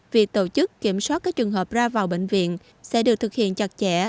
việc tổ chức kiểm soát các trường hợp ra vào bệnh viện sẽ được thực hiện chặt chẽ